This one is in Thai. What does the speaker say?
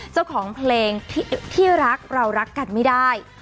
เจ้าของเพลงที่รักเรารักกันไม่ได้